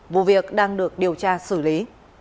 vụ việc đang được điều tra xử lý